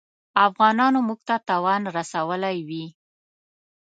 افغانانو موږ ته تاوان رسولی وي.